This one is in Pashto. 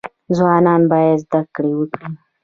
ځوانان باید زده کړه وکړي